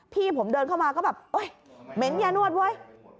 พี่ผมเดินเข้ามาก็แบบโอ๊ยเหม็นอย่านวดเว้ย